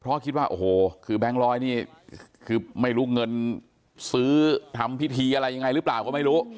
เพราะคิดว่าโอ้โหคือแบงค์ร้อยนี่คือไม่รู้เงินซื้อทำพิธีอะไรยังไงหรือเปล่าก็ไม่รู้